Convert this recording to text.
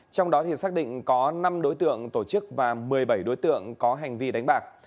trong đó xác định có năm đối tượng tổ chức và một mươi bảy đối tượng có hành vi đánh bạc